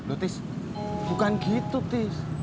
dutis bukan gitu tis